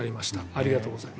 ありがとうございます。